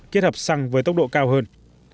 kết hợp xăng với tốc độ cao hơn